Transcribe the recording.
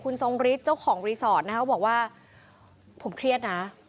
คุณสงฤทธิ์เจ้าของนะครับบอกว่าผมเครียดน่ะ